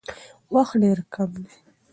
وخت ډېر کم دی.